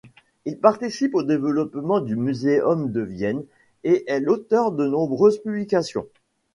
Il participe au développement du Muséum de Vienne et est l’auteur de nombreuses publications.